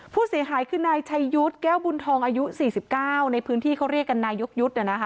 ผู้เสียหายคือนายชายุทธ์แก้วบุญทองอายุสี่สิบเก้าในพื้นที่เขาเรียกกันนายยกยุทธ์เนี้ยนะคะ